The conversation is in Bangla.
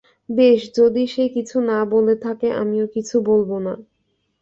বেশ, যদি সে কিছু না বলে থাকে, আমিও কিছু বলবো না।